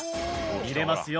見れますよ